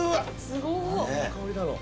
すごっ。何の香りだろう？